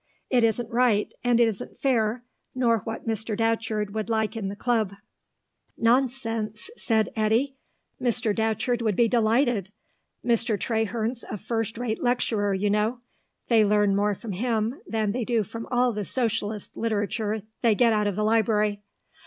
It isn't right, and it isn't fair, nor what Mr. Datcherd would like in the Club." "Nonsense," said Eddy. "Mr. Datcherd would be delighted. Mr. Traherne's a first rate lecturer, you know; they learn more from him than they do from all the Socialist literature they get out of the library."